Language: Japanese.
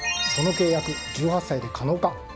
その契約１８歳で可能か。